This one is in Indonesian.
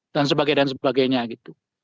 dan sebagainya dan sebagainya gitu